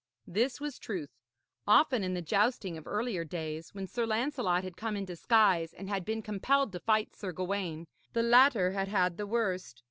This was truth. Often in the jousting of earlier days, when Sir Lancelot had come in disguise and had been compelled to fight Sir Gawaine, the latter had had the worst.